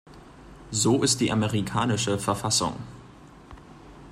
So ist die amerikanische Verfassung.